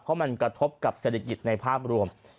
เพราะมันกระทบกับเศรษฐกิจในภาพรวม